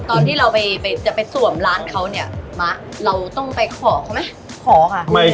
ตอนที่เราไปจะไปสวมร้านเขาเนี่ยมะเราต้องไปขอเขาไหมขอค่ะ